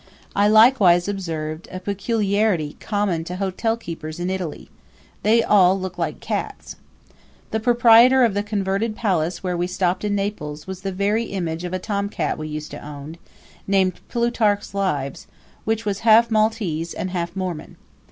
I likewise observed a peculiarity common to hotelkeepers in Italy they all look like cats. The proprietor of the converted palace where we stopped in Naples was the very image of a tomcat we used to own, named Plutarch's Lives, which was half Maltese and half Mormon.